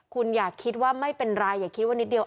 คุณอย่าคิดว่าไม่เป็นไรอย่าคิดว่านิดเดียว